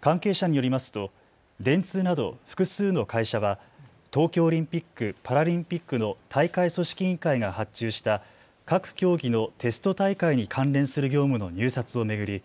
関係者によりますと電通など複数の会社は東京オリンピック・パラリンピックの大会組織委員会が発注した各競技のテスト大会に関連する業務の入札を巡り